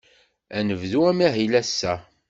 Ad nebdu amahil ass-a.